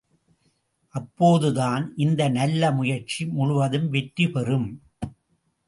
அப்போதுதான் இந்த நல்ல முயற்சி முழுவதும் வெற்றி பெறும்.